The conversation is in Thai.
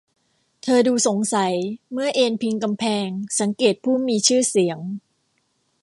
เธอดูสงสัยเมื่อเอนพิงกำแพงสังเกตผู้มีชื่อเสียง